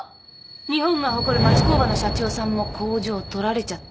日本が誇る町工場の社長さんも工場取られちゃった。